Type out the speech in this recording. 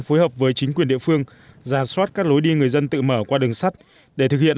phối hợp với chính quyền địa phương ra soát các lối đi người dân tự mở qua đường sắt để thực hiện